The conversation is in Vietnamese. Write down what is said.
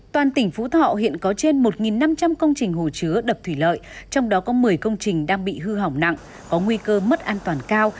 toàn tỉnh phú thọ hiện có trên một năm trăm linh công trình hồ chứa đập thủy lợi trong đó có một mươi công trình đang bị hư hỏng nặng có nguy cơ mất an toàn cao